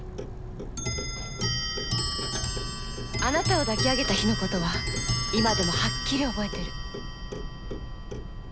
あなたを抱き上げた日のことは今でもはっきり覚えてる。